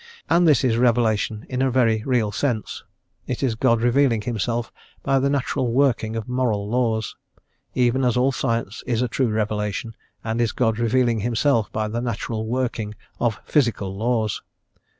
And this is revelation in a very real sense; it is God revealing Himself by the natural working of moral laws, even as all science is a true revelation, and is God revealing Himself by the natural working of physical laws.